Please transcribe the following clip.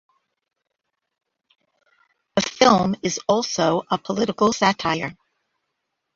The film is also a political satire.